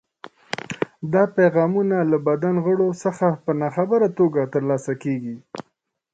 دا پیغامونه له بدن غړو څخه په ناخبره توګه ترلاسه کېږي.